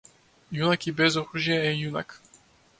Јунак и без оружје е јунак.